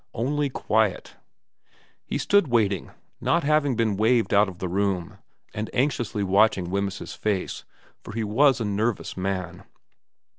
Only quiet. He stood waiting, not having been waved out of the room, and anxiously watching Wemyss's face, for he was a nervous man.